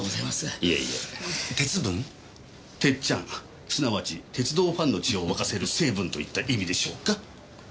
鉄ちゃんすなわち鉄道ファンの血を沸かせる成分といった意味でしょうか。